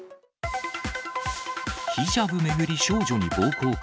ヒジャブ巡り少女に暴行か。